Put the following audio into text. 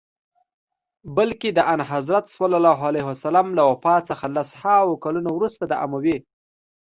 بلکه د آنحضرت ص له وفات څخه لس هاوو کلونه وروسته د اموي.